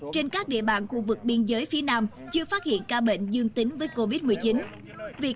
trên các địa bàn khu vực biên giới phía nam chưa phát hiện ca bệnh dương tính với covid một mươi chín việc